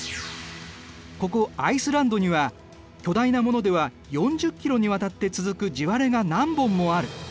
ここアイスランドには巨大なものでは４０ｋｍにわたって続く地割れが何本もある。